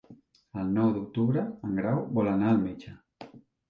El nou d'octubre en Grau vol anar al metge.